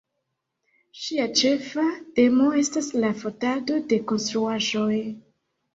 Ŝia ĉefa temo estas la fotado de konstruaĵoj.